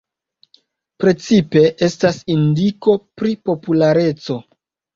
Precipe estas indiko pri populareco.